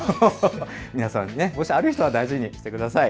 皆さん、もしある人は大事にしてください。